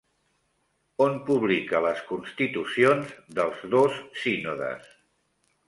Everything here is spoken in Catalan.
On publica les constitucions dels dos sínodes?